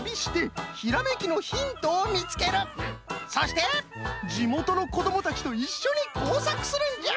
日本全国を旅してそしてじもとのこどもたちといっしょにこうさくするんじゃ！